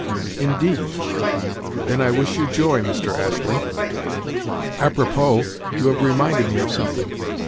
"Indeed? Then I wish you joy, Mr. Astley. Apropos, you have reminded me of something.